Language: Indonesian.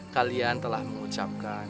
kalian telah mengucapkan